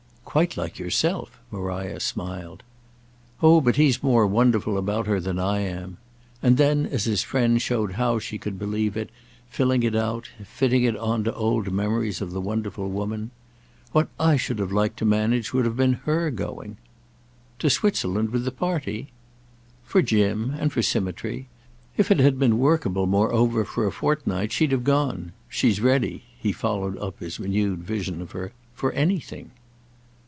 "Quite like yourself!" Maria smiled. "Oh but he's more wonderful about her than I am!" And then as his friend showed how she could believe it, filling it out, fitting it on to old memories of the wonderful woman: "What I should have liked to manage would have been her going." "To Switzerland with the party?" "For Jim—and for symmetry. If it had been workable moreover for a fortnight she'd have gone. She's ready"—he followed up his renewed vision of her—"for anything."